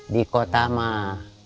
di kota mah